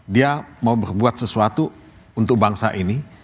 dia mau berbuat sesuatu untuk bangsa ini